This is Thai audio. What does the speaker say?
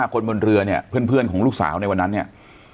คนบนเรือเนี่ยเพื่อนของลูกสาวในวันนั้นเนี่ย